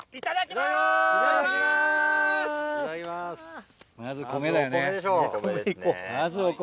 まずお米。